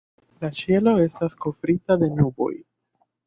La ĉielo estas kovrita de nuboj.